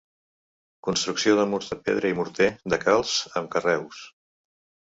Construcció de murs de pedra i morter de calç, amb carreus.